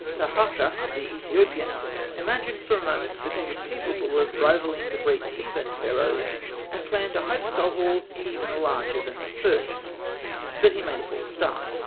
Taharkah, the Ethiopian, imagined for a moment that he was capable of rivalling the great Theban Pharaohs, and planned a hypostyle hall even larger than the first; but he made a false start.